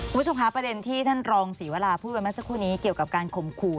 คุณผู้ชมคะประเด็นที่ท่านรองศรีวราพูดไปเมื่อสักครู่นี้เกี่ยวกับการข่มขู่